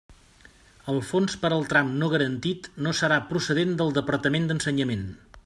El fons per al tram no garantit no serà procedent del Departament d'Ensenyament.